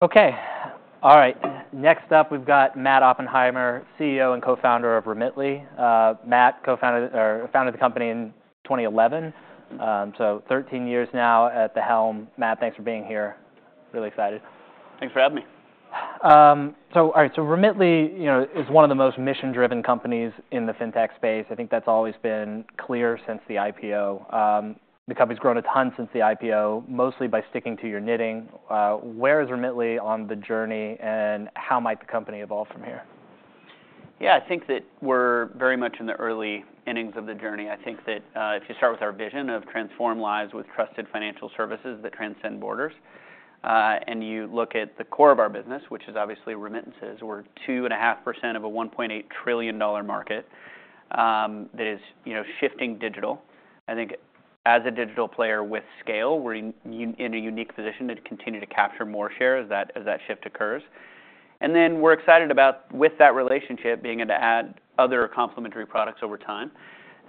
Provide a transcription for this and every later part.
...Okay. All right, next up, we've got Matt Oppenheimer, CEO and co-founder of Remitly. Matt, co-founded or founded the company in 2011, so 13 years now at the helm. Matt, thanks for being here. Really excited. Thanks for having me. So all right, so Remitly, you know, is one of the most mission-driven companies in the fintech space. I think that's always been clear since the IPO. The company's grown a ton since the IPO, mostly by sticking to your knitting. Where is Remitly on the journey, and how might the company evolve from here? Yeah, I think that we're very much in the early innings of the journey. I think that, if you start with our vision of transform lives with trusted financial services that transcend borders, and you look at the core of our business, which is obviously remittances, we're 2.5% of a $1.8 trillion market, that is, you know, shifting digital. I think as a digital player with scale, we're in a unique position to continue to capture more share as that shift occurs. And then we're excited about with that relationship, being able to add other complementary products over time,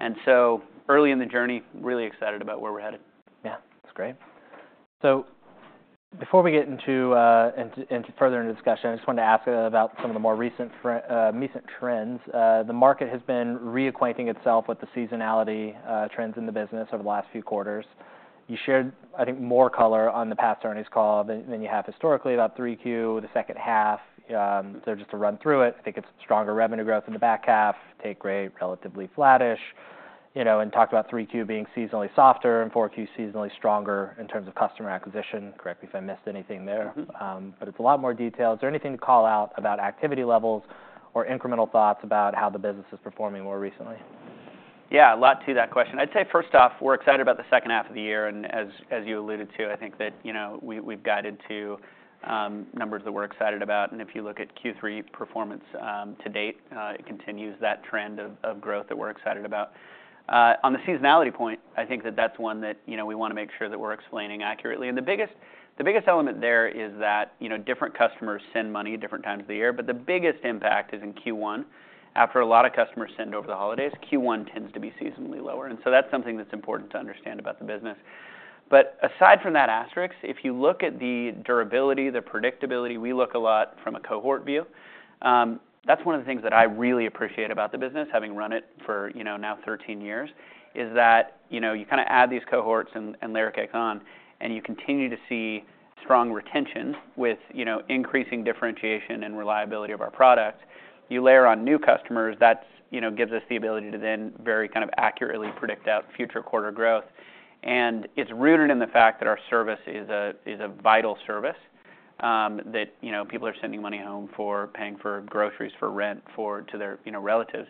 and so early in the journey, really excited about where we're headed. Yeah, that's great. So before we get into further into discussion, I just wanted to ask about some of the more recent trends. The market has been reacquainting itself with the seasonality trends in the business over the last few quarters. You shared, I think, more color on the past earnings call than you have historically about Q3, the second half. So just to run through it, I think it's stronger revenue growth in the back half, take rate relatively flattish, you know, and talked about Q3 being seasonally softer and Q4 seasonally stronger in terms of customer acquisition. Correct me if I missed anything there. But it's a lot more detail. Is there anything to call out about activity levels or incremental thoughts about how the business is performing more recently? Yeah, a lot to that question. I'd say, first off, we're excited about the second half of the year, and as you alluded to, I think that, you know, we've guided to numbers that we're excited about. And if you look at Q3 performance to date, it continues that trend of growth that we're excited about. On the seasonality point, I think that that's one that, you know, we want to make sure that we're explaining accurately. And the biggest element there is that, you know, different customers send money at different times of the year, but the biggest impact is in Q1. After a lot of customers send over the holidays, Q1 tends to be seasonally lower, and so that's something that's important to understand about the business. But aside from that asterisk, if you look at the durability, the predictability, we look a lot from a cohort view. That's one of the things that I really appreciate about the business, having run it for, you know, now thirteen years, is that, you know, you kinda add these cohorts and, and layer cake on, and you continue to see strong retention with, you know, increasing differentiation and reliability of our product. You layer on new customers, that's, you know, gives us the ability to then very kind of accurately predict out future quarter growth. And it's rooted in the fact that our service is a, is a vital service, that, you know, people are sending money home for paying for groceries, for rent, for- to their, you know, relatives.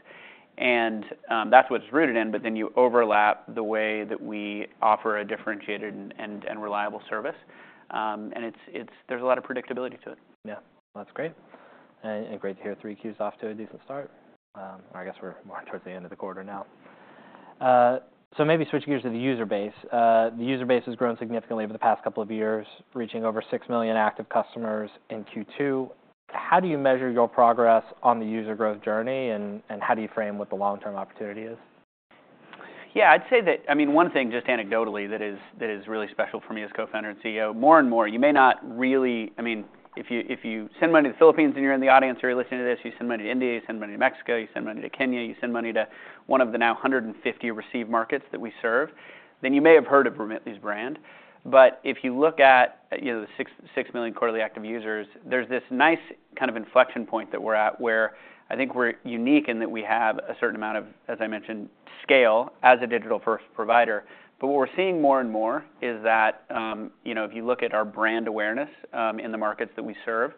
That's what it's rooted in, but then you overlap the way that we offer a differentiated and reliable service. And it's. There's a lot of predictability to it. Yeah, that's great. And great to hear Q3 is off to a decent start. I guess we're more towards the end of the quarter now. So maybe switching gears to the user base. The user base has grown significantly over the past couple of years, reaching over six million active customers in Q2. How do you measure your progress on the user growth journey, and how do you frame what the long-term opportunity is? Yeah, I'd say that, I mean, one thing just anecdotally, that is, that is really special for me as co-founder and CEO, more and more, you may not really... I mean, if you, if you send money to the Philippines and you're in the audience or you're listening to this, you send money to India, you send money to Mexico, you send money to Kenya, you send money to one of the now hundred and fifty receive markets that we serve, then you may have heard of Remitly's brand. But if you look at, you know, the 6 million quarterly active users, there's this nice kind of inflection point that we're at, where I think we're unique in that we have a certain amount of, as I mentioned, scale as a digital-first provider. But what we're seeing more and more is that, you know, if you look at our brand awareness, in the markets that we serve,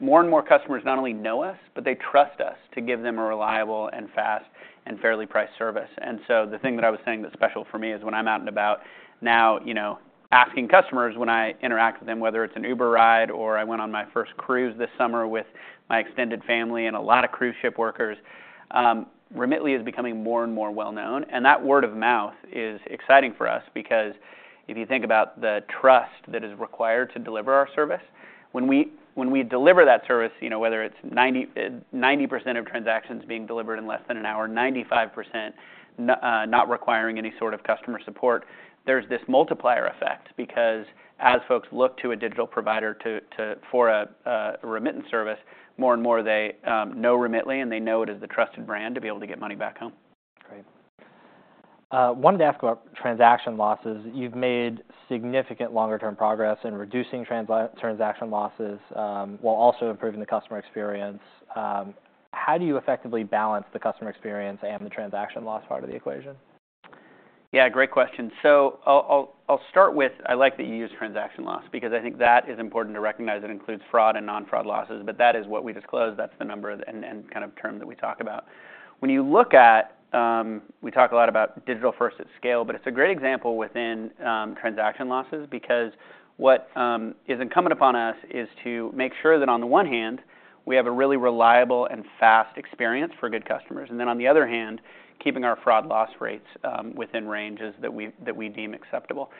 more and more customers not only know us, but they trust us to give them a reliable and fast and fairly priced service, and so the thing that I was saying that's special for me is when I'm out and about now, you know, asking customers when I interact with them, whether it's an Uber ride or I went on my first cruise this summer with my extended family and a lot of cruise ship workers, Remitly is becoming more and more well-known. That word of mouth is exciting for us because if you think about the trust that is required to deliver our service, when we deliver that service, you know, whether it's 90% of transactions being delivered in less than an hour, 95% not requiring any sort of customer support, there's this multiplier effect. Because as folks look to a digital provider to for a remittance service, more and more, they know Remitly, and they know it as the trusted brand to be able to get money back home. Great. Wanted to ask about transaction losses. You've made significant longer-term progress in reducing transaction losses, while also improving the customer experience. How do you effectively balance the customer experience and the transaction loss part of the equation? Yeah, great question, so I'll start with, I like that you use transaction loss, because I think that is important to recognize. It includes fraud and non-fraud losses, but that is what we disclose. That's the number and kind of term that we talk about. We talk a lot about digital first at scale, but it's a great example within transaction losses, because what is incumbent upon us is to make sure that on the one hand, we have a really reliable and fast experience for good customers, and then, on the other hand, keeping our fraud loss rates within ranges that we deem acceptable,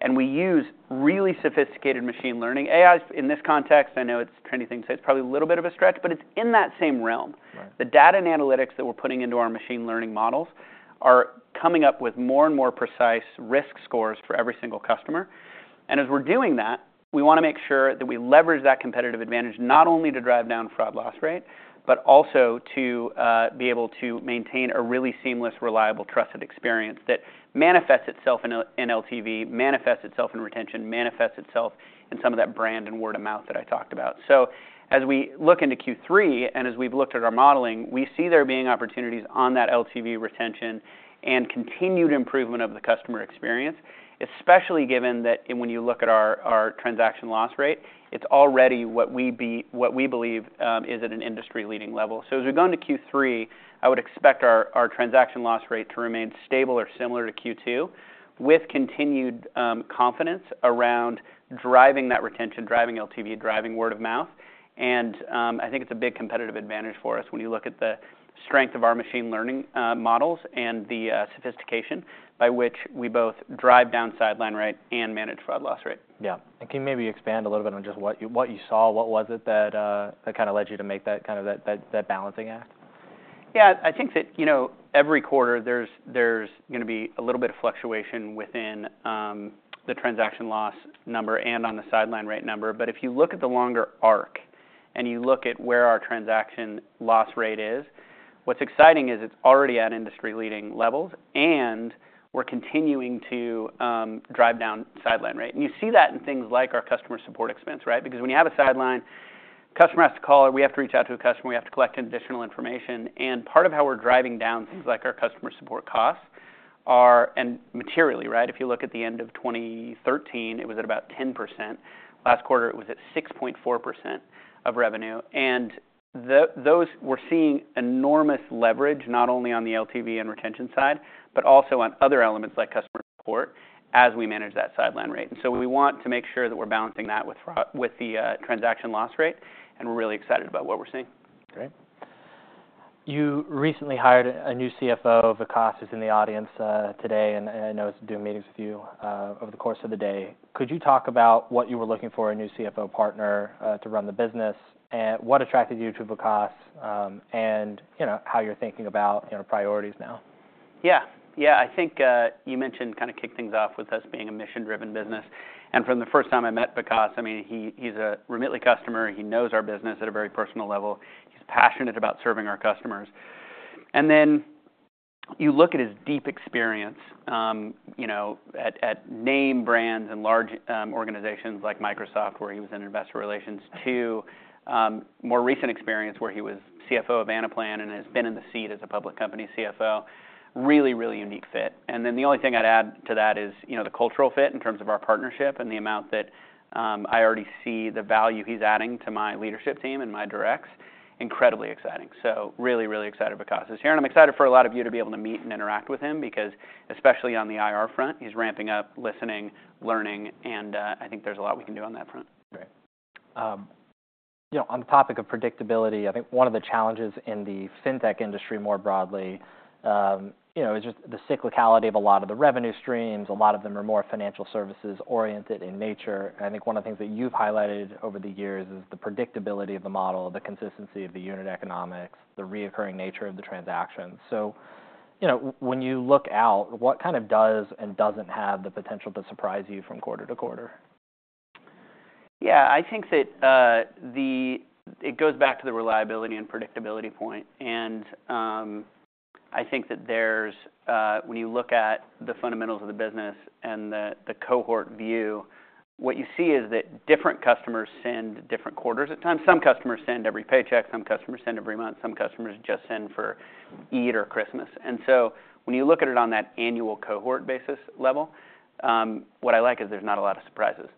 and we use really sophisticated machine learning. AI, in this context, I know it's trendy thing, so it's probably a little bit of a stretch, but it's in that same realm. Right. The data and analytics that we're putting into our machine learning models are coming up with more and more precise risk scores for every single customer. And as we're doing that, we want to make sure that we leverage that competitive advantage, not only to drive down fraud loss rate, but also to be able to maintain a really seamless, reliable, trusted experience that manifests itself in LTV, manifests itself in retention, manifests itself in some of that brand and word-of-mouth that I talked about. So as we look into Q3, and as we've looked at our modeling, we see there being opportunities on that LTV retention and continued improvement of the customer experience, especially given that and when you look at our transaction loss rate, it's already what we believe is at an industry-leading level. As we go into Q3, I would expect our transaction loss rate to remain stable or similar to Q2, with continued confidence around driving that retention, driving LTV, driving word-of-mouth. I think it's a big competitive advantage for us when you look at the strength of our machine learning models and the sophistication by which we both drive down sideline rate and manage fraud loss rate. Yeah. And can you maybe expand a little bit on just what you saw? What was it that kind of led you to make that kind of balancing act? Yeah, I think that, you know, every quarter, there's gonna be a little bit of fluctuation within the transaction loss number and on the sideline rate number. But if you look at the longer arc and you look at where our transaction loss rate is, what's exciting is it's already at industry-leading levels, and we're continuing to drive down sideline rate. And you see that in things like our customer support expense, right? Because when you have a sideline, customer has to call, or we have to reach out to a customer, we have to collect additional information. And part of how we're driving down things like our customer support costs are, and materially, right? If you look at the end of 2030, it was at about 10%. Last quarter, it was at 6.4% of revenue. And those we're seeing enormous leverage, not only on the LTV and retention side, but also on other elements like customer support, as we manage that sideline rate. And so we want to make sure that we're balancing that with the transaction loss rate, and we're really excited about what we're seeing. Great. You recently hired a new CFO, Vikas, who's in the audience today, and I know he's doing meetings with you over the course of the day. Could you talk about what you were looking for in a new CFO partner to run the business? And what attracted you to Vikas, and, you know, how you're thinking about, you know, priorities now? Yeah. Yeah, I think you mentioned, kind of, kicked things off with us being a mission-driven business. And from the first time I met Vikas, I mean, he's a Remitly customer. He knows our business at a very personal level. He's passionate about serving our customers. And then you look at his deep experience, you know, at name brands and large organizations like Microsoft, where he was in investor relations, to more recent experience, where he was CFO of Anaplan and has been in the seat as a public company CFO. Really, really unique fit. And then the only thing I'd add to that is, you know, the cultural fit in terms of our partnership and the amount that I already see the value he's adding to my leadership team and my directs, incredibly exciting. So really, really excited Vikas is here, and I'm excited for a lot of you to be able to meet and interact with him, because especially on the IR front, he's ramping up, listening, learning, and I think there's a lot we can do on that front. Great. You know, on the topic of predictability, I think one of the challenges in the fintech industry, more broadly, you know, is just the cyclicality of a lot of the revenue streams. A lot of them are more financial services-oriented in nature. I think one of the things that you've highlighted over the years is the predictability of the model, the consistency of the unit economics, the recurring nature of the transactions. So, you know, when you look out, what kind of does and doesn't have the potential to surprise you from quarter to quarter? Yeah, I think that it goes back to the reliability and predictability point, and I think that there's. When you look at the fundamentals of the business and the cohort view, what you see is that different customers send different quarters at times. Some customers send every paycheck, some customers send every month, some customers just send for Eid or Christmas. And so, when you look at it on that annual cohort basis level, what I like is there's not a lot of surprises.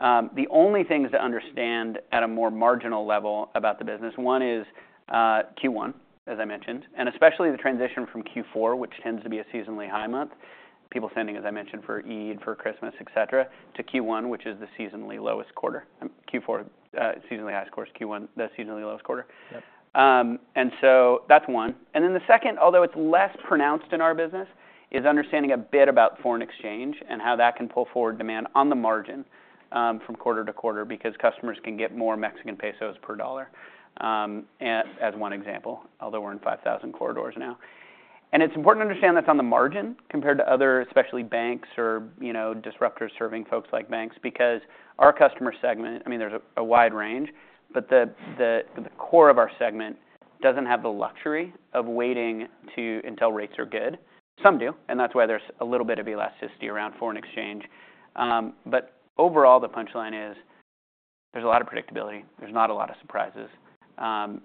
The only things to understand at a more marginal level about the business, one is Q1, as I mentioned, and especially the transition from Q4, which tends to be a seasonally high month, people sending, as I mentioned, for Eid, for Christmas, et cetera, to Q1, which is the seasonally lowest quarter. Q4, seasonally highest quarter, Q1, the seasonally lowest quarter. Yep. And so that's one. And then the second, although it's less pronounced in our business, is understanding a bit about foreign exchange and how that can pull forward demand on the margin, from quarter to quarter, because customers can get more Mexican pesos per dollar, as one example, although we're in 5,000 corridors now. And it's important to understand that's on the margin compared to other, especially banks or, you know, disruptors serving folks like banks, because our customer segment, I mean, there's a wide range, but the core of our segment doesn't have the luxury of waiting until rates are good. Some do, and that's why there's a little bit of elasticity around foreign exchange. But overall, the punchline is: there's a lot of predictability. There's not a lot of surprises.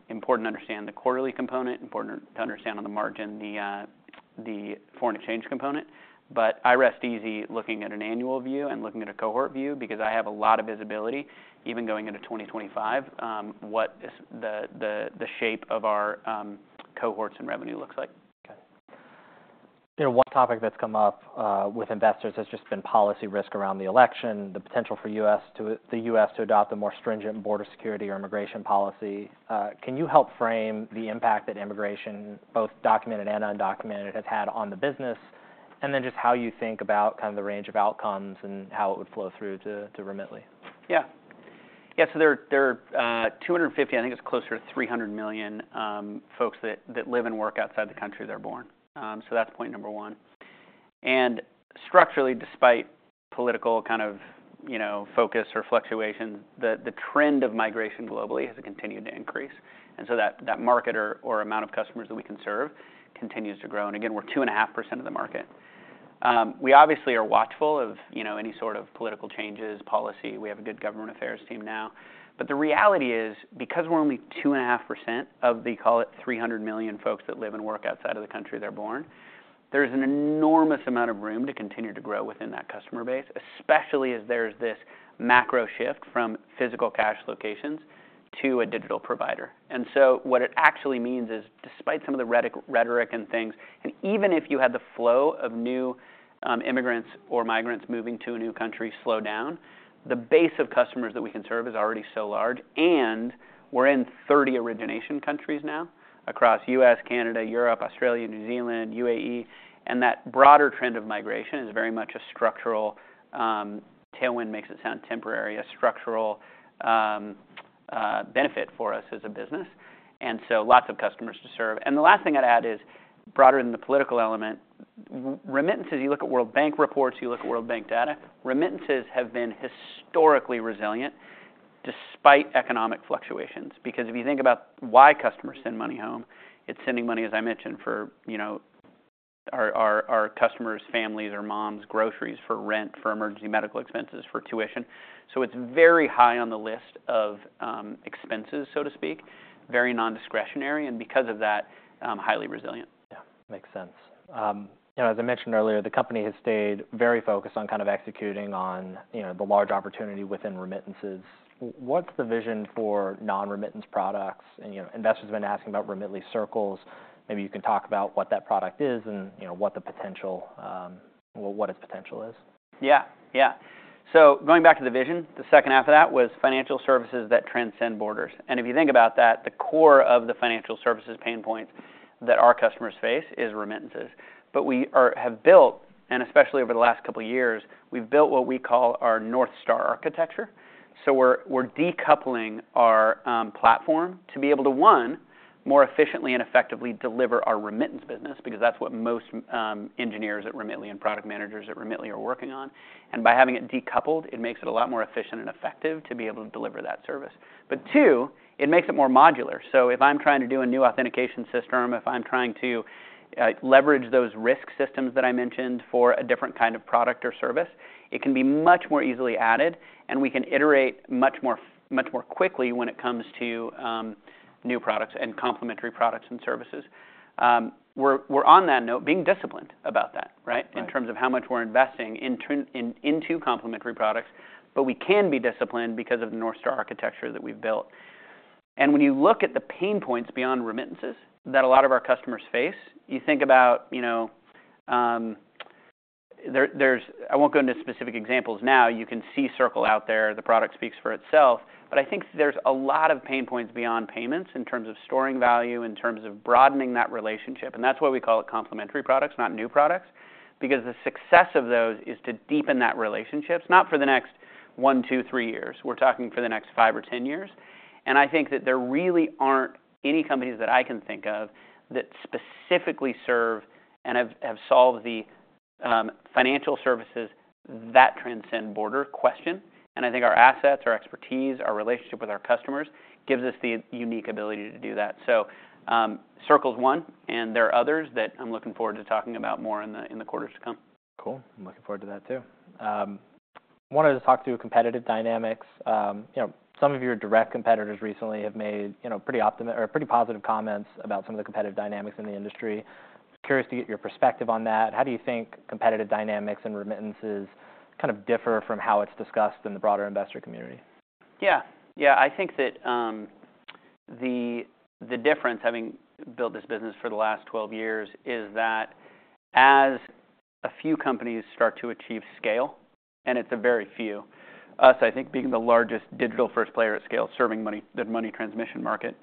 Important to understand the quarterly component, important to understand on the margin, the foreign exchange component. But I rest easy looking at an annual view and looking at a cohort view because I have a lot of visibility, even going into 2025, what the shape of our cohorts and revenue looks like. Okay. You know, one topic that's come up with investors has just been policy risk around the election, the potential for the U.S. to adopt a more stringent border security or immigration policy. Can you help frame the impact that immigration, both documented and undocumented, has had on the business? And then just how you think about kind of the range of outcomes and how it would flow through to Remitly. Yeah. Yeah, so there are 250 million, I think it's closer to 300 million folks that live and work outside the country they're born. So that's point number one. And structurally, despite political kind of, you know, focus or fluctuations, the trend of migration globally has continued to increase. And so that market or amount of customers that we can serve continues to grow, and again, we're 2.5% of the market. We obviously are watchful of, you know, any sort of political changes, policy. We have a good government affairs team now. But the reality is, because we're only 2.5% of the, call it, 300 million folks that live and work outside of the country they're born, there's an enormous amount of room to continue to grow within that customer base, especially as there's this macro shift from physical cash locations to a digital provider. And so what it actually means is, despite some of the rhetoric and things, and even if you had the flow of new immigrants or migrants moving to a new country slow down, the base of customers that we can serve is already so large, and we're in 30 origination countries now across U.S., Canada, Europe, Australia, New Zealand, UAE. And that broader trend of migration is very much a structural tailwind makes it sound temporary, a structural benefit for us as a business, and so lots of customers to serve. And the last thing I'd add is, broader than the political element, remittances, you look at World Bank reports, you look at World Bank data, remittances have been historically resilient despite economic fluctuations. Because if you think about why customers send money home, it's sending money, as I mentioned, for, you know, our customers' families, their moms, groceries, for rent, for emergency medical expenses, for tuition. So it's very high on the list of expenses, so to speak, very non-discretionary, and because of that, highly resilient. Yeah, makes sense. You know, as I mentioned earlier, the company has stayed very focused on kind of executing on, you know, the large opportunity within remittances. What's the vision for non-remittance products? And, you know, investors have been asking about Remitly Circles. Maybe you can talk about what that product is and, you know, what the potential is. Yeah. Yeah. So going back to the vision, the second half of that was financial services that transcend borders. And if you think about that, the core of the financial services pain points that our customers face is remittances. But we have built, and especially over the last couple of years, we've built what we call our North Star architecture. So we're decoupling our platform to be able to, one, more efficiently and effectively deliver our remittance business, because that's what most engineers at Remitly and product managers at Remitly are working on. And by having it decoupled, it makes it a lot more efficient and effective to be able to deliver that service. But two, it makes it more modular. So if I'm trying to do a new authentication system, if I'm trying to leverage those risk systems that I mentioned for a different kind of product or service, it can be much more easily added, and we can iterate much more quickly when it comes to new products and complementary products and services. We're on that note, being disciplined about that, right- Right. in terms of how much we're investing in, into complementary products, but we can be disciplined because of the North Star architecture that we've built, and when you look at the pain points beyond remittances that a lot of our customers face, you think about, you know, there, there's. I won't go into specific examples now. You can see Circles out there, the product speaks for itself, but I think there's a lot of pain points beyond payments in terms of storing value, in terms of broadening that relationship, and that's why we call it complementary products, not new products. Because the success of those is to deepen that relationships, not for the next one, two, three years. We're talking for the next five or ten years. I think that there really aren't any companies that I can think of that specifically serve and have solved the financial services that transcend border question. Our assets, our expertise, our relationship with our customers, gives us the unique ability to do that. Circles is one, and there are others that I'm looking forward to talking about more in the quarters to come. Cool. I'm looking forward to that, too. I wanted to talk through competitive dynamics. You know, some of your direct competitors recently have made, you know, pretty positive comments about some of the competitive dynamics in the industry. Curious to get your perspective on that. How do you think competitive dynamics and remittances kind of differ from how it's discussed in the broader investor community? Yeah. Yeah, I think that the difference, having built this business for the last 12 years, is that as a few companies start to achieve scale, and it's a very few, us, I think, being the largest digital-first player at scale, serving the money transmission market,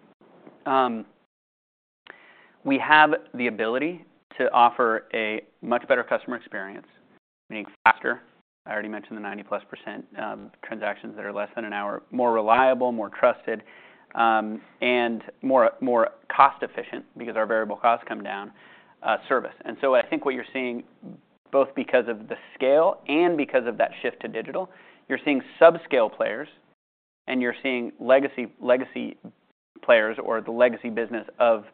we have the ability to offer a much better customer experience, meaning faster. I already mentioned the 90%+ transactions that are less than an hour, more reliable, more trusted, and more cost-efficient, because our variable costs come down, service. I think what you're seeing, both because of the scale and because of that shift to digital, you're seeing subscale players, and you're seeing legacy players or the legacy business of.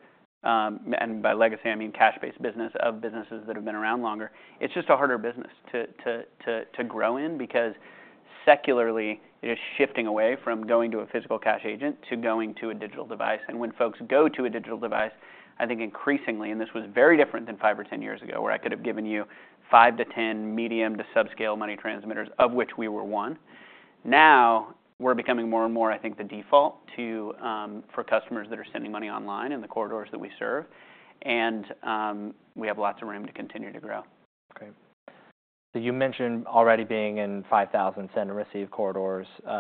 By legacy, I mean, cash-based business of businesses that have been around longer. It's just a harder business to grow in, because secularly, it is shifting away from going to a physical cash agent to going to a digital device. And when folks go to a digital device, I think increasingly, and this was very different than five or 10 years ago, where I could have given you five to 10 medium to subscale money transmitters, of which we were one. Now, we're becoming more and more, I think, the default to for customers that are sending money online in the corridors that we serve, and we have lots of room to continue to grow. Okay. So you mentioned already being in five thousand send and receive corridors. You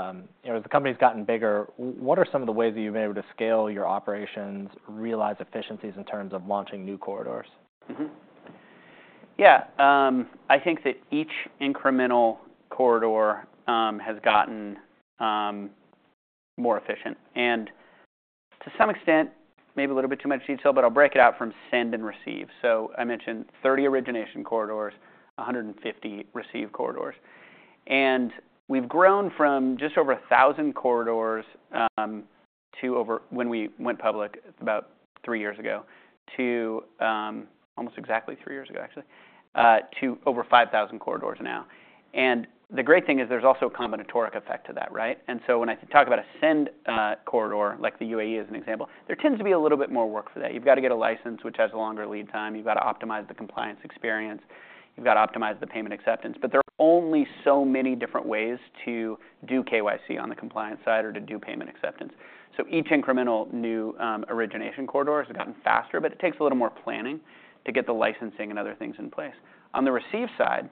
know, as the company's gotten bigger, what are some of the ways that you've been able to scale your operations, realize efficiencies in terms of launching new corridors? Yeah, I think that each incremental corridor has gotten more efficient and to some extent, maybe a little bit too much detail, but I'll break it out from send and receive, so I mentioned 30 origination corridors, 150 receive corridors, and we've grown from just over 1,000 corridors to over, when we went public about three years ago to almost exactly three years ago, actually, to over 5,000 corridors now, and the great thing is there's also a combinatorial effect to that, right, and so when I talk about a send corridor, like the UAE as an example, there tends to be a little bit more work for that. You've got to get a license, which has a longer lead time. You've got to optimize the compliance experience. You've got to optimize the payment acceptance. But there are only so many different ways to do KYC on the compliance side or to do payment acceptance. So each incremental new origination corridor has gotten faster, but it takes a little more planning to get the licensing and other things in place. On the receive side,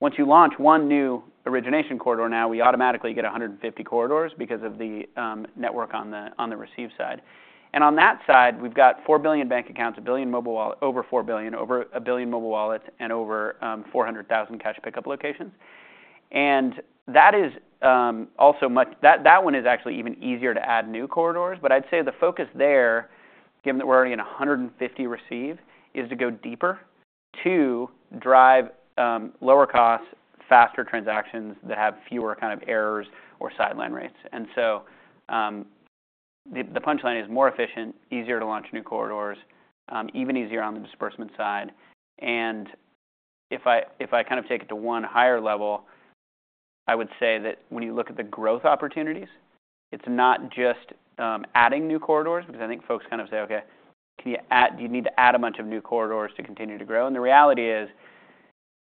once you launch one new origination corridor, now we automatically get 150 corridors because of the network on the receive side. And on that side, we've got 4 billion bank accounts, 1 billion mobile wallet - over 4 billion, over 1 billion mobile wallets, and over 400,000 cash pickup locations. And that is also much - that one is actually even easier to add new corridors. But I'd say the focus there, given that we're already in 150 receive, is to go deeper to drive lower costs, faster transactions that have fewer kind of errors or sideline rates. And so, the punchline is more efficient, easier to launch new corridors, even easier on the disbursement side. And if I kind of take it to one higher level, I would say that when you look at the growth opportunities, it's not just adding new corridors, because I think folks kind of say, "Okay, do you need to add a bunch of new corridors to continue to grow?" And the reality is,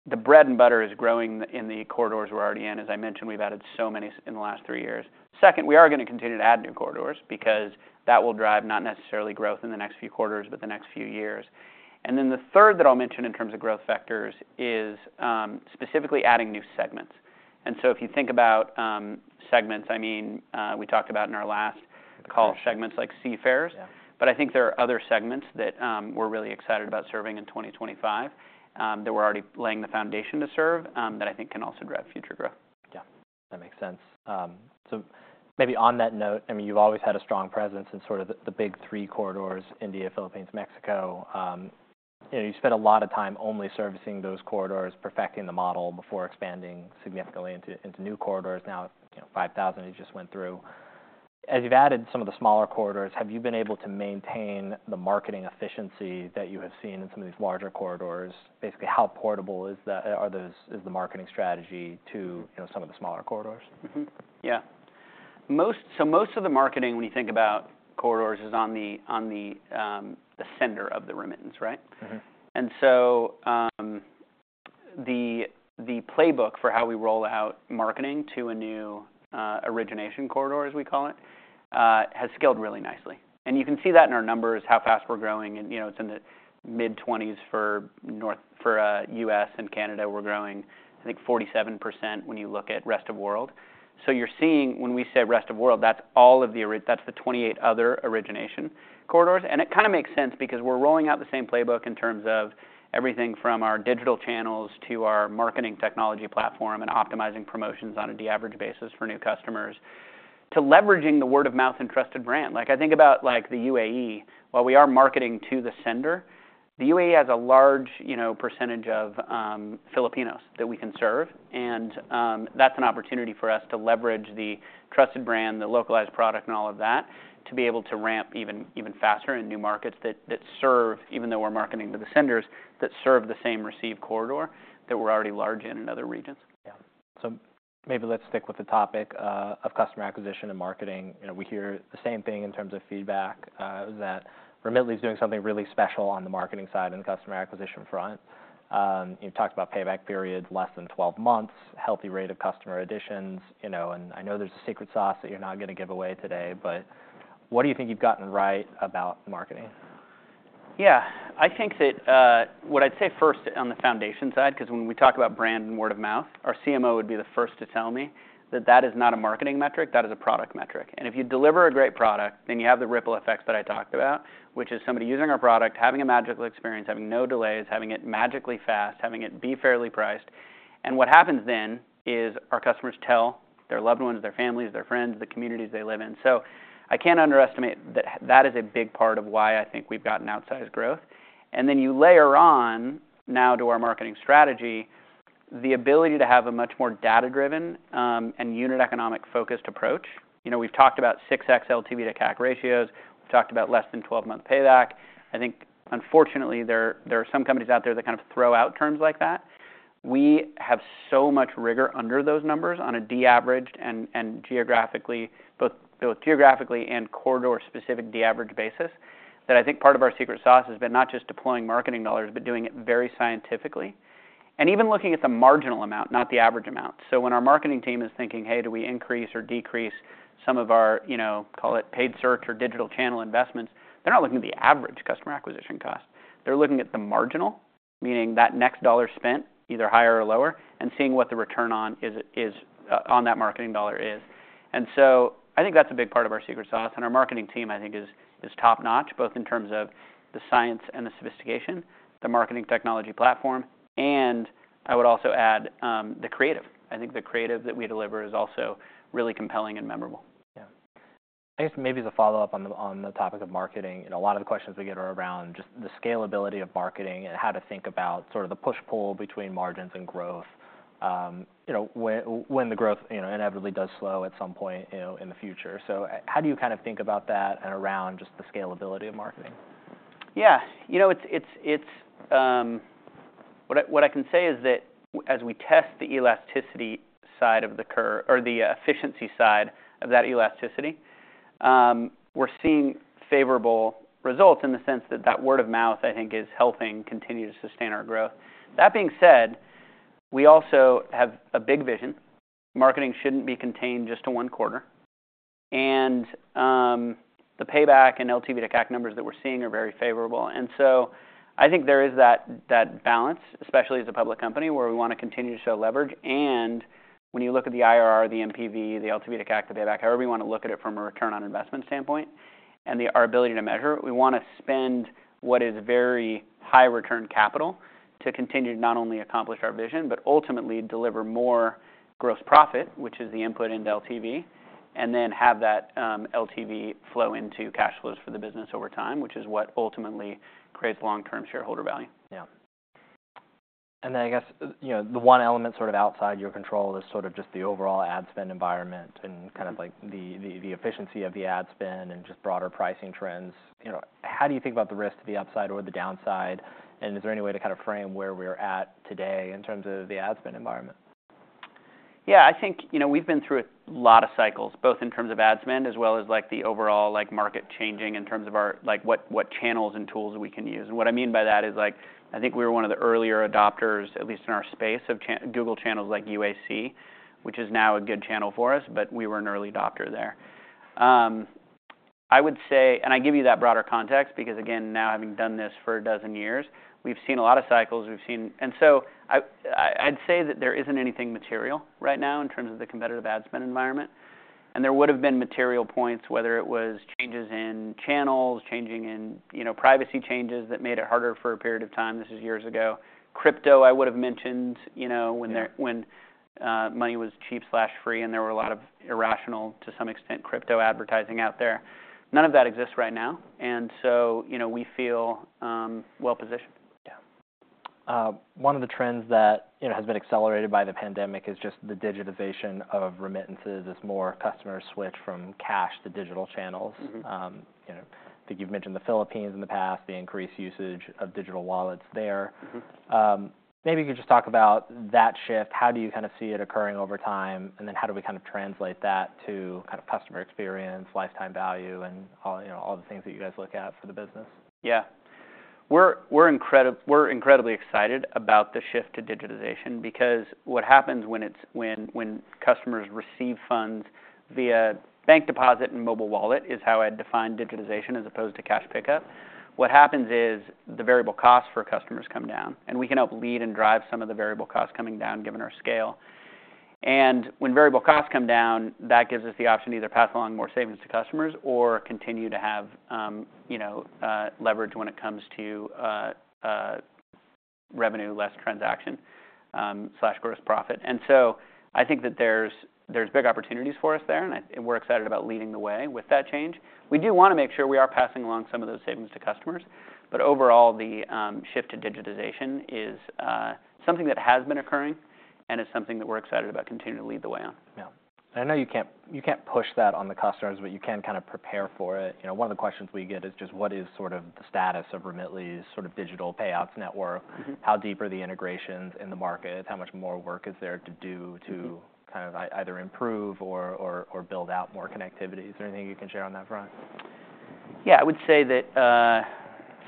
the bread and butter is growing in the corridors we're already in. As I mentioned, we've added so many in the last three years. Second, we are gonna continue to add new corridors because that will drive not necessarily growth in the next few quarters, but the next few years. And then the third that I'll mention in terms of growth vectors is, specifically adding new segments. And so if you think about, segments, I mean, we talked about in our last call, segments like seafarers. Yeah. But I think there are other segments that we're really excited about serving in 2025, that we're already laying the foundation to serve, that I think can also drive future growth. Yeah, that makes sense. So maybe on that note, I mean, you've always had a strong presence in sort of the big three corridors, India, Philippines, Mexico. And you spent a lot of time only servicing those corridors, perfecting the model before expanding significantly into new corridors. Now, you know, five thousand, you just went through. As you've added some of the smaller corridors, have you been able to maintain the marketing efficiency that you have seen in some of these larger corridors? Basically, how portable is the marketing strategy to, you know, some of the smaller corridors? Mm-hmm. Yeah. So most of the marketing, when you think about corridors, is on the sender of the remittance, right? Mm-hmm. And so, the playbook for how we roll out marketing to a new origination corridor, as we call it, has scaled really nicely. And you can see that in our numbers, how fast we're growing, and, you know, it's in the mid-twenties for U.S. and Canada. We're growing, I think, 47% when you look at rest of world. So you're seeing when we say rest of world, that's all of the 28 other origination corridors. And it kind of makes sense because we're rolling out the same playbook in terms of everything from our digital channels to our marketing technology platform and optimizing promotions on a de-averaged basis for new customers, to leveraging the word-of-mouth and trusted brand. Like, I think about, like, the UAE, while we are marketing to the sender, the UAE has a large, you know, percentage of, Filipinos that we can serve. And, that's an opportunity for us to leverage the trusted brand, the localized product, and all of that, to be able to ramp even faster in new markets that serve, even though we're marketing to the senders, that serve the same receive corridor that we're already large in, in other regions. Yeah. So maybe let's stick with the topic of customer acquisition and marketing. You know, we hear the same thing in terms of feedback that Remitly is doing something really special on the marketing side and customer acquisition front. You've talked about payback periods, less than twelve months, healthy rate of customer additions, you know, and I know there's a secret sauce that you're not gonna give away today, but what do you think you've gotten right about marketing? Yeah, I think that, what I'd say first on the foundation side, 'cause when we talk about brand and word of mouth, our CMO would be the first to tell me that that is not a marketing metric, that is a product metric. And if you deliver a great product, then you have the ripple effects that I talked about, which is somebody using our product, having a magical experience, having no delays, having it magically fast, having it be fairly priced. And what happens then is our customers tell their loved ones, their families, their friends, the communities they live in. So I can't underestimate that. That is a big part of why I think we've gotten outsized growth. And then you layer on, now to our marketing strategy, the ability to have a much more data-driven, and unit economics focused approach. You know, we've talked about 6x LTV to CAC ratios. We've talked about less than twelve-month payback. I think unfortunately, there are some companies out there that kind of throw out terms like that. We have so much rigor under those numbers on a de-averaged and geographically, both geographically and corridor-specific de-averaged basis, that I think part of our secret sauce has been not just deploying marketing dollars, but doing it very scientifically, and even looking at the marginal amount, not the average amount, so when our marketing team is thinking, "Hey, do we increase or decrease some of our, you know, call it paid search or digital channel investments?" They're not looking at the average customer acquisition cost. They're looking at the marginal, meaning that next dollar spent, either higher or lower, and seeing what the return on that marketing dollar is. And so I think that's a big part of our secret sauce. And our marketing team, I think, is top-notch, both in terms of the science and the sophistication, the marketing technology platform, and I would also add, the creative. I think the creative that we deliver is also really compelling and memorable. Yeah. I guess maybe the follow-up on the, on the topic of marketing, and a lot of the questions we get are around just the scalability of marketing and how to think about sort of the push-pull between margins and growth, you know, when the growth, you know, inevitably does slow at some point, you know, in the future. So how do you kind of think about that and around just the scalability of marketing? Yeah, you know, it's what I can say is that as we test the efficiency side of that elasticity, we're seeing favorable results in the sense that word-of-mouth, I think, is helping continue to sustain our growth. That being said, we also have a big vision. Marketing shouldn't be contained just to one quarter, and the payback and LTV to CAC numbers that we're seeing are very favorable. And so I think there is that balance, especially as a public company, where we want to continue to show leverage. When you look at the IRR, the NPV, the LTV to CAC, the payback, however we want to look at it from a return on investment standpoint and our ability to measure it, we want to spend what is very high return capital to continue to not only accomplish our vision, but ultimately deliver more gross profit, which is the input into LTV, and then have that LTV flow into cash flows for the business over time, which is what ultimately creates long-term shareholder value. Yeah. And then, I guess, you know, the one element sort of outside your control is sort of just the overall ad spend environment and kind of like the efficiency of the ad spend and just broader pricing trends. You know, how do you think about the risk to the upside or the downside, and is there any way to kind of frame where we're at today in terms of the ad spend environment? Yeah, I think, you know, we've been through a lot of cycles, both in terms of ad spend as well as, like, the overall, like, market changing in terms of our... Like, what channels and tools we can use. And what I mean by that is, like, I think we were one of the earlier adopters, at least in our space, of Google channels like UAC, which is now a good channel for us, but we were an early adopter there. I would say. And I give you that broader context because, again, now, having done this for a dozen years, we've seen a lot of cycles. We've seen, and so I, I'd say that there isn't anything material right now in terms of the competitive ad spend environment. There would have been material points, whether it was changes in channels, you know, privacy changes that made it harder for a period of time. This is years ago. Crypto, I would have mentioned, you know- Yeah... when money was cheap/free, and there were a lot of irrational, to some extent, crypto advertising out there. None of that exists right now, and so, you know, we feel well-positioned. Yeah. One of the trends that, you know, has been accelerated by the pandemic is just the digitization of remittances as more customers switch from cash to digital channels. Mm-hmm. You know, I think you've mentioned the Philippines in the past, the increased usage of digital wallets there. Mm-hmm. Maybe you could just talk about that shift. How do you kind of see it occurring over time? And then how do we kind of translate that to kind of customer experience, lifetime value, and all, you know, all the things that you guys look at for the business? Yeah. We're incredibly excited about the shift to digitization, because what happens when customers receive funds via bank deposit and mobile wallet, is how I'd define digitization as opposed to cash pickup. What happens is the variable costs for customers come down, and we can help lead and drive some of the variable costs coming down, given our scale. And when variable costs come down, that gives us the option to either pass along more savings to customers or continue to have you know leverage when it comes to revenue, less transaction gross profit. And so I think that there's big opportunities for us there, and we're excited about leading the way with that change. We do want to make sure we are passing along some of those savings to customers, but overall, the shift to digitization is something that has been occurring and is something that we're excited about continuing to lead the way on. Yeah. I know you can't, you can't push that on the customers, but you can kind of prepare for it. You know, one of the questions we get is just what is sort of the status of Remitly's sort of digital payouts network? Mm-hmm. How deep are the integrations in the market? How much more work is there to do- Mm-hmm... to kind of either improve or build out more connectivity? Is there anything you can share on that front? Yeah, I would say that,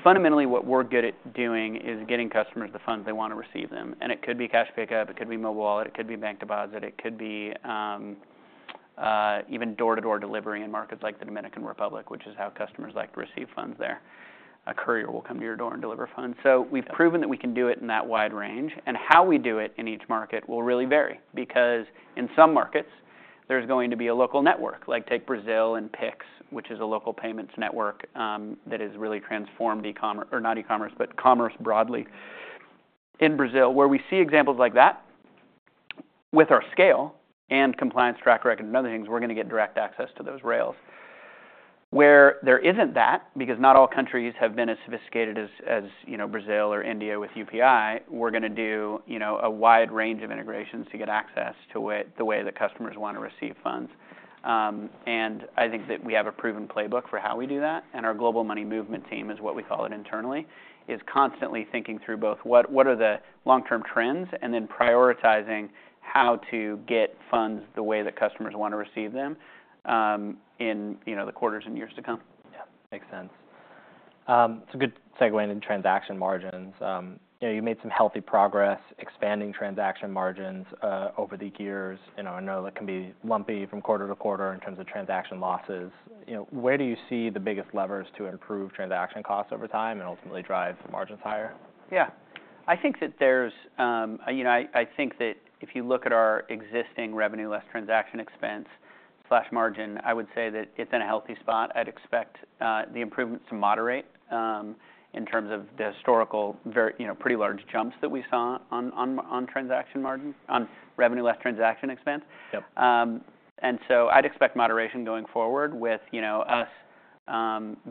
fundamentally, what we're good at doing is getting customers the funds they want to receive them, and it could be cash pickup, it could be mobile wallet, it could be bank deposit, it could be, even door-to-door delivery in markets like the Dominican Republic, which is how customers like to receive funds there. A courier will come to your door and deliver funds. So we've proven that we can do it in that wide range, and how we do it in each market will really vary, because in some markets, there's going to be a local network. Like, take Brazil and Pix, which is a local payments network, that has really transformed e-commerce, or not e-commerce, but commerce broadly in Brazil. Where we see examples like that, with our scale and compliance track record, and other things, we're gonna get direct access to those rails. Where there isn't that, because not all countries have been as sophisticated as, you know, Brazil or India with UPI, we're gonna do, you know, a wide range of integrations to get access to the way that customers want to receive funds. And I think that we have a proven playbook for how we do that, and our Global Money Movement team, is what we call it internally, is constantly thinking through both what are the long-term trends, and then prioritizing how to get funds the way that customers want to receive them, in, you know, the quarters and years to come. Yeah, makes sense. It's a good segue into transaction margins. You know, you made some healthy progress expanding transaction margins over the years. You know, I know that can be lumpy from quarter to quarter in terms of transaction losses. You know, where do you see the biggest levers to improve transaction costs over time and ultimately drive margins higher? Yeah. I think that there's, you know, I think that if you look at our existing revenue less transaction expense/margin, I would say that it's in a healthy spot. I'd expect the improvement to moderate in terms of the historical you know, pretty large jumps that we saw on transaction margin, on revenue less transaction expense. Yep. And so I'd expect moderation going forward with, you know, us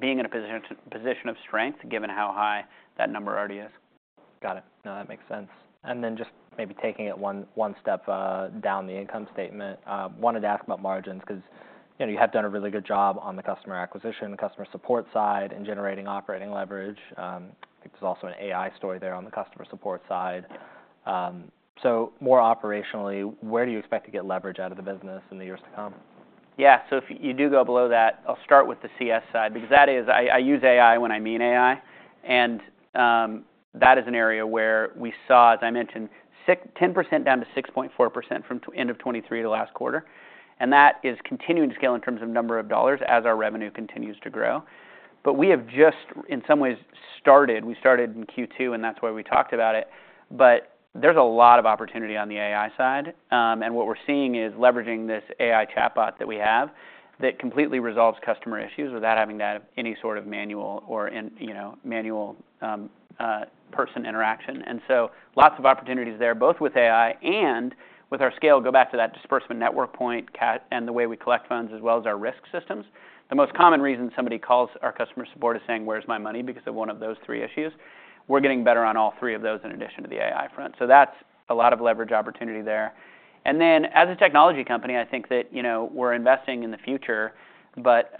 being in a position of strength, given how high that number already is. Got it. No, that makes sense. And then just maybe taking it one step down the income statement. Wanted to ask about margins, 'cause, you know, you have done a really good job on the customer acquisition, the customer support side, and generating operating leverage. I think there's also an AI story there on the customer support side. So more operationally, where do you expect to get leverage out of the business in the years to come? Yeah. So if you do go below that, I'll start with the CS side, because that is, I use AI when I mean AI, and that is an area where we saw, as I mentioned, 10% down to 6.4% from end of 2023 to last quarter, and that is continuing to scale in terms of number of dollars as our revenue continues to grow. But we have just, in some ways, started. We started in Q2, and that's why we talked about it, but there's a lot of opportunity on the AI side. And what we're seeing is leveraging this AI chatbot that we have, that completely resolves customer issues without having to have any sort of manual or, you know, manual person interaction. And so lots of opportunities there, both with AI and with our scale. Go back to that disbursement network point, Cat, and the way we collect funds, as well as our risk systems. The most common reason somebody calls our customer support is saying, "Where's my money?" Because of one of those three issues. We're getting better on all three of those, in addition to the AI front. So that's a lot of leverage opportunity there. And then, as a technology company, I think that, you know, we're investing in the future, but,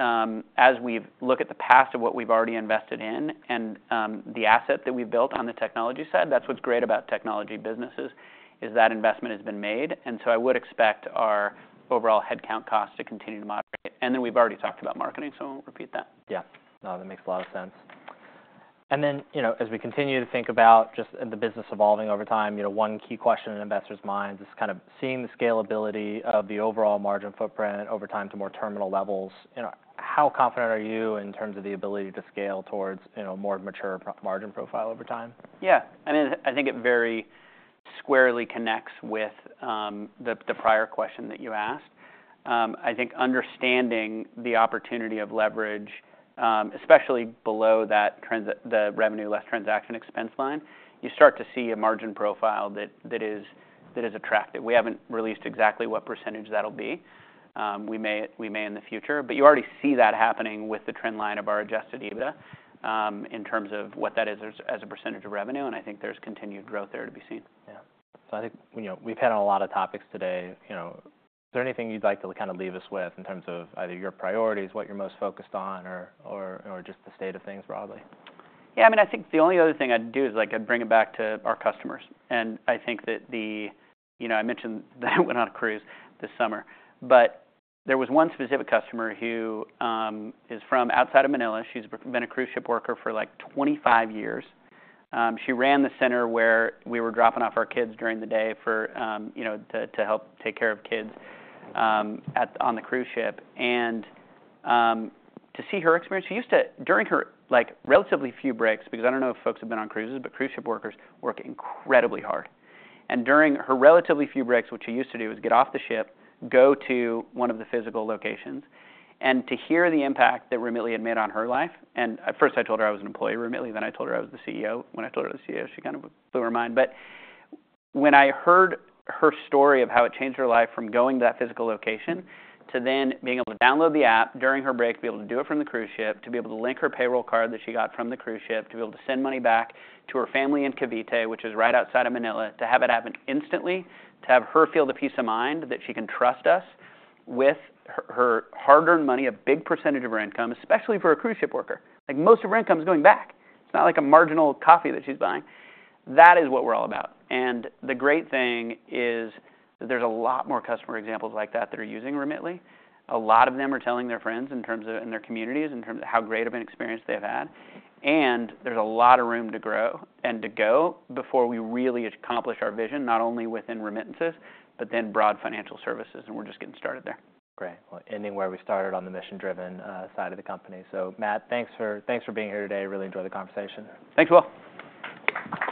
as we look at the past of what we've already invested in and, the assets that we've built on the technology side, that's what's great about technology businesses, is that investment has been made. And so I would expect our overall headcount costs to continue to moderate. And then we've already talked about marketing, so I won't repeat that. Yeah. No, that makes a lot of sense. And then, you know, as we continue to think about just the business evolving over time, you know, one key question in investors' minds is kind of seeing the scalability of the overall margin footprint over time to more terminal levels. You know, how confident are you in terms of the ability to scale towards, you know, a more mature profit margin profile over time? Yeah, I mean, I think it very squarely connects with the prior question that you asked. I think understanding the opportunity of leverage, especially below that the revenue less transaction expense line, you start to see a margin profile that, that is, that is attractive. We haven't released exactly what percentage that'll be. We may, we may in the future, but you already see that happening with the trend line of our Adjusted EBITDA in terms of what that is as, as a percentage of revenue, and I think there's continued growth there to be seen. Yeah. So I think, you know, we've hit on a lot of topics today, you know, is there anything you'd like to kind of leave us with in terms of either your priorities, what you're most focused on or just the state of things broadly? Yeah, I mean, I think the only other thing I'd do is, like, I'd bring it back to our customers. And I think that the... You know, I mentioned that I went on a cruise this summer, but there was one specific customer who is from outside of Manila. She's been a cruise ship worker for, like, 25 years. She ran the center where we were dropping off our kids during the day for, you know, to help take care of kids on the cruise ship. And to see her experience, she used to, during her, like, relatively few breaks, because I don't know if folks have been on cruises, but cruise ship workers work incredibly hard. And during her relatively few breaks, what she used to do is get off the ship, go to one of the physical locations, and to hear the impact that Remitly had made on her life. And at first, I told her I was an employee of Remitly, then I told her I was the CEO. When I told her I was the CEO, she kind of blew her mind. When I heard her story of how it changed her life from going to that physical location, to then being able to download the app during her break, be able to do it from the cruise ship, to be able to link her payroll card that she got from the cruise ship, to be able to send money back to her family in Cavite, which is right outside of Manila, to have it happen instantly, to have her feel the peace of mind that she can trust us with her hard-earned money, a big percentage of her income, especially for a cruise ship worker, like, most of her income is going back. It's not like a marginal coffee that she's buying. That is what we're all about. The great thing is that there's a lot more customer examples like that, that are using Remitly. A lot of them are telling their friends in their communities, in terms of how great of an experience they've had, and there's a lot of room to grow and to go before we really accomplish our vision, not only within remittances, but then broad financial services, and we're just getting started there. Great. Ending where we started on the mission-driven side of the company. So, Matt, thanks for being here today. Really enjoyed the conversation. Thanks, Will.